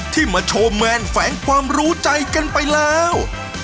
ที่มาโชว์แมนแฝงความรู้ใจกันไปแล้ว